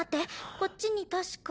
こっちに確か。